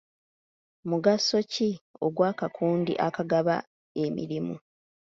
Mugaso ki ogw'akakundi akagaba emirimu?